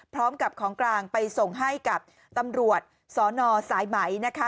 พร้อมกับของกลางไปส่งให้กับตำรวจสนสายไหมนะคะ